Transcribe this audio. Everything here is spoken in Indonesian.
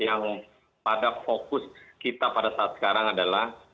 yang pada fokus kita pada saat sekarang adalah